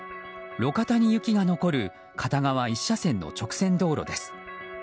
路肩に雪が残る片側１車線の直線道路です。